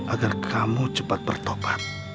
agar kamu cepat bertobat